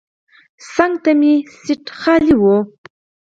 څنګ ته مې سیټ خالي و.